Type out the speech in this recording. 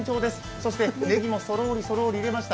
そしてねぎもそろーりそろーり入れました。